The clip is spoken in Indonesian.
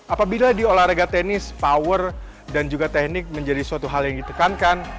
apabila di olahraga tenis power dan juga teknik menjadi suatu hal yang ditekankan